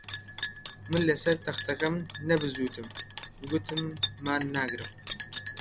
من لەسەر تەختەکەم نەبزووتم، گوتم مان ناگرم